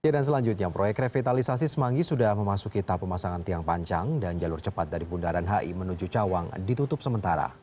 dan selanjutnya proyek revitalisasi semanggi sudah memasuki tapu masangan tiang pancang dan jalur cepat dari bundaran hi menuju cawang ditutup sementara